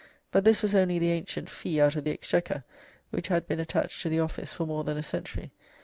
but this was only the ancient "fee out of the Exchequer," which had been attached to the office for more than a century.